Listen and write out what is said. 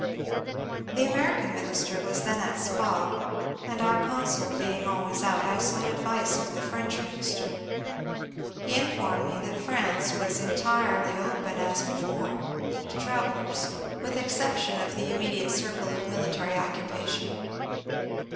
The American minister was then at Spa, and our consul being always out, I sought advice of the French minister. He informed me that France was entirely open as before to travel PARIS IN 1870 219 lers, with exception of the immediate circle of military occu pation.